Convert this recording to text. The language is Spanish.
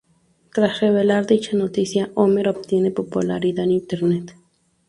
Tras revelar dicha noticia, Homer obtiene popularidad en internet.